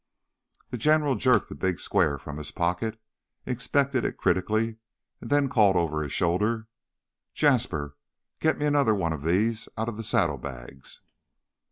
The General jerked the big square from his pocket, inspected it critically, and then called over his shoulder. "Jasper, you get me another one of these out of the saddlebags!"